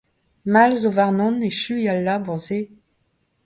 Mall zo warnon echuiñ al labour-se.